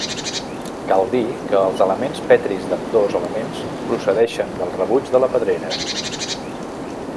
Cal dir que els elements petris d'ambdós elements procedeixen del rebuig de la pedrera.